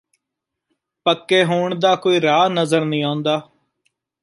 ਪੱਕੇ ਹੋਣ ਦਾ ਕੋਈ ਰਾਹ ਨਜ਼ਰ ਨ੍ਹੀ ਆਉਦਾ